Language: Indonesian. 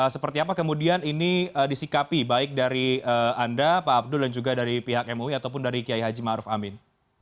seperti apa kemudian ini disikapi baik dari anda pak abdul dan juga dari pihak mui ataupun dari kiai haji ⁇ maruf ⁇ amin